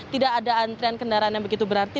tidak ada antrian kendaraan yang begitu berarti